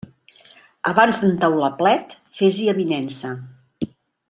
Abans d'entaular plet, fes-hi avinença.